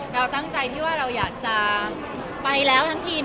เราตั้งใจที่ว่าเราอยากจะไปแล้วทั้งที